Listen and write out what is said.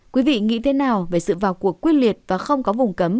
quý vị nghĩ thế nào về sự vào cuộc quyết liệt và không có vùng cấm